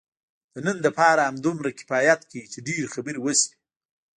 د نن لپاره همدومره کفایت کوي، چې ډېرې خبرې وشوې.